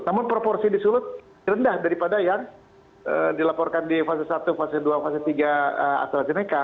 namun proporsi di sulut rendah daripada yang dilaporkan di fase satu fase dua fase tiga astrazeneca